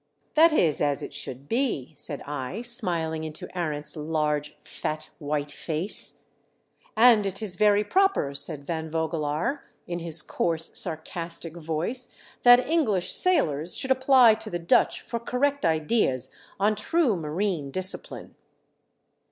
" That is as it should be," said I, smiling into Arents' large, fat white face. "And it is very proper," said Van Vogelaar, in his coarse sarcastic voice, " that Ensflish sailors should apply to the Dutch for correct ideas on true marine discipline."